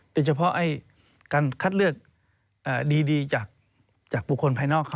โดยเฉพาะการคัดเลือกดีจากบุคคลภายนอก